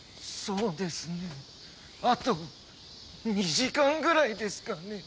そうですねあと２時間ぐらいですかね。